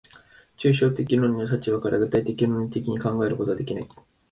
抽象的論理の立場から具体的論理的に考えることはできない。